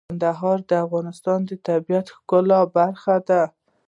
کندهار د افغانستان د طبیعت د ښکلا برخه ده.